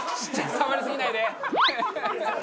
触りすぎないで！